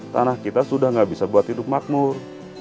tanah kita sudah gak bisa buat hidup makmur